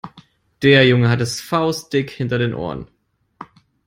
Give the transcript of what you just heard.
Der Junge hat es faustdick hinter den Ohren.